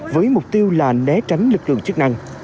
với mục tiêu là né tránh lực lượng chức năng